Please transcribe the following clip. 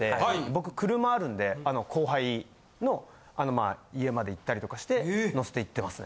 僕車あるんで後輩の家まで行ったりとかして乗せて行ってます。